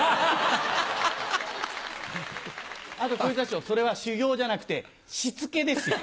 あと、小遊三師匠、それは修行じゃなくてしつけですよ。